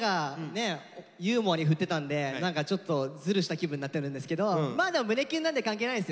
ユーモアに振ってたんで何かちょっとずるした気分になってるんですけどまあでも胸キュンなんで関係ないですよね。